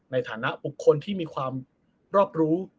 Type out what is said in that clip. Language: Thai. ในฐานะบุคคลที่มีความรอบรู้